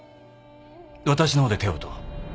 私の方で手を打とう。